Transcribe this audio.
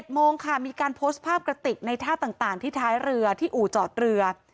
โมงค่ะมีการโพสต์ภาพกระติกในท่าต่างที่ท้ายเรือที่อู่จอดเรือ